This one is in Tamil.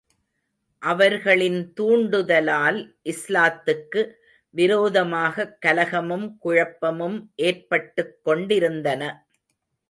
அவர்களின் தூண்டுதலால், இஸ்லாத்துக்கு விரோதமாகக் கலகமும் குழப்பமும் ஏற்பட்டுக் கொண்டிருந்தன.